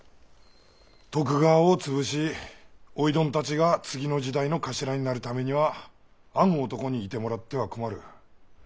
徳川をつぶしおいどんたちが次の時代の頭になるためにはあの男にいてもらっては困る。